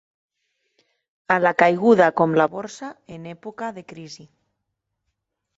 Alacaiguda com la Borsa en època de crisi.